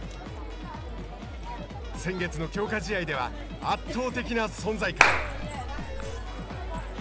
先月の強化試合では圧倒的な存在感。